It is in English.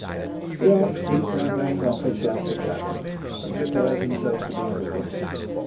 The archdeacon drank off his glass of claret, and prepared himself to be energetic.